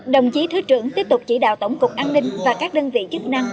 đồng chí thứ trưởng tiếp tục chỉ đạo tổng cục an ninh và các đơn vị chức năng